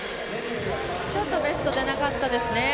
ちょっとベストじゃなかったですね。